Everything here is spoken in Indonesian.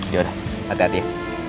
ya udah hati hati ya